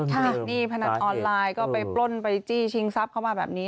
หนี้พนันออนไลน์ก็ไปปล้นไปจี้ชิงทรัพย์เข้ามาแบบนี้